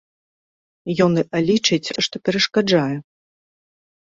Ён лічыць, што перашкаджае.